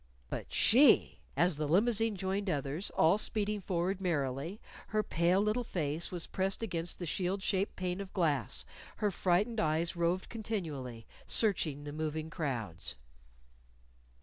But she ! As the limousine joined others, all speeding forward merrily, her pale little face was pressed against the shield shaped pane of glass, her frightened eyes roved continually, searching the moving crowds.